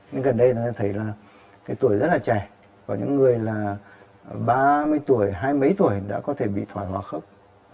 nhưng gần đây người ta thấy là cái tuổi rất là trẻ và những người là ba mươi tuổi hai mươi tuổi đã có thể bị thoái hóa khớp